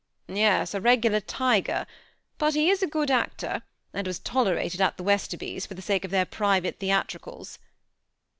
'* Yes, a regular tiger ; but he is a good actor, and was tolerated at the Westerbys, for the sake of their private theatricals."